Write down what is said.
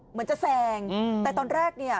เหมือนจะแซงแต่ตอนแรกเนี่ย